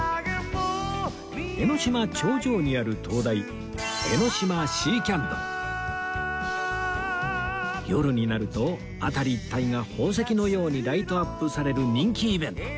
江の島頂上にある灯台夜になると辺り一帯が宝石のようにライトアップされる人気イベント